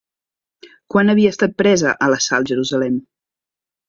Quan havia estat presa a l'assalt Jerusalem?